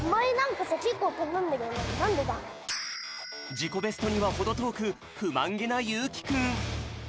じこベストにはほどとおくふまんげなゆうきくん。